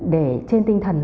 để trên tinh thần